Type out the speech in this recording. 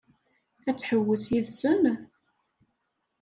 Ad tḥewwes yid-sen?